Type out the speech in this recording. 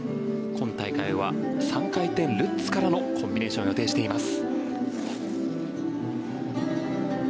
今大会は３回転ルッツからのコンビネーションを予定しています。